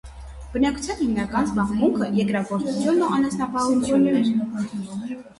Բնակչության հիմնական զբաղմունքը երկրագործությունն ու անասնապուհությունն էր։